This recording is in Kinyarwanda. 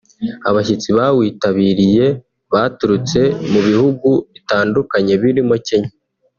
Abashyitsi bawitabiriye baturutse mu bihugu bitandukanye birimo Kenya